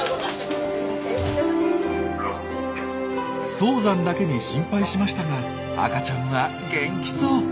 早産だけに心配しましたが赤ちゃんは元気そう。